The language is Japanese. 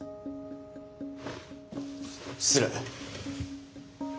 失礼。